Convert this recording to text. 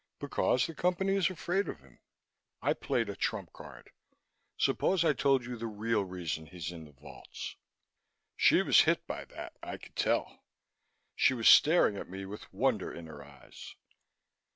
Because the Company is afraid of him." I played a trump card: "Suppose I told you the real reason he's in the vaults." She was hit by that, I could tell. She was staring at me with wonder in her eyes.